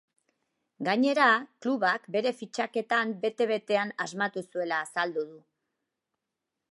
Gainera, klubak bere fitxaketan bete betean asmatu zuela azaldu du.